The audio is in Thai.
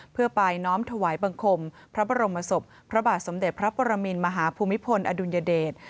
เพื่อปลายน้อมถวายบังคมพระบรมโปรสมเด็จพระปรมิณฑ์มหาภูมิพลอดุญเดช